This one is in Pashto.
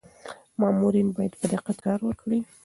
مامورین باید په دقت کار وکړي.